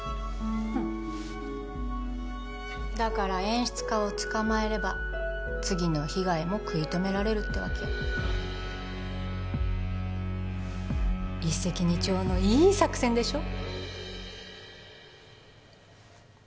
うんだから演出家を捕まえれば次の被害も食い止められるってわけ一石二鳥のいい作戦でしょ？